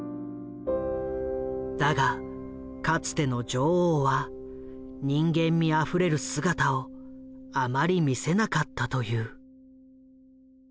だがかつての女王は人間味あふれる姿をあまり見せなかったという。